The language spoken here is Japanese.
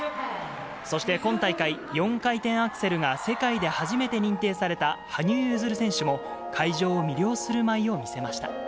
そして今大会、４回転アクセルが世界で初めて認定された羽生結弦選手も、会場を魅了する舞を見せました。